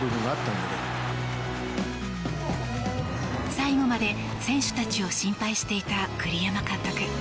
最後まで選手たちを心配していた栗山監督。